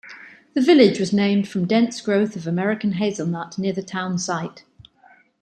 The village was named from dense growth of American Hazelnut near the town site.